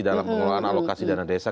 dalam pengelolaan alokasi dana desa